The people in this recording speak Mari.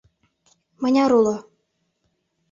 Мыняр уло?